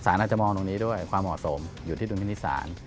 อาจจะมองตรงนี้ด้วยความเหมาะสมอยู่ที่ดุลพินิษฐศาล